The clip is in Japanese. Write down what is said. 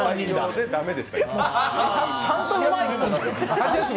ちゃんとうまい！